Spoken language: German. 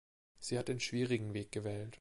Sie hat den schwierigen Weg gewählt.